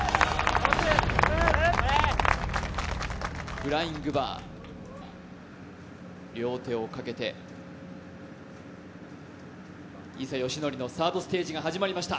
フライングバー、両手をかけて、伊佐嘉矩のサードステージが始まりました。